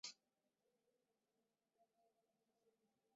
নমস্কার!